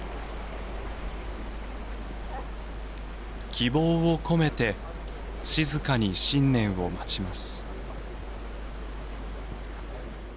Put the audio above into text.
希望を込めて静かに新年を待ちます。